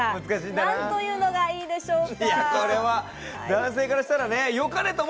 何と言うのがいいでしょうか？